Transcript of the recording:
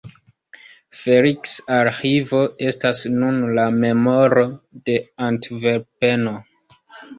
Feliks-Arĥivo estas nun la memoro de Antverpeno.